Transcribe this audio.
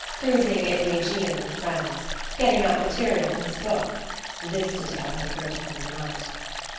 cruising in the AEgean with friends... getting up material for his book (this detail had occurred to her in the night).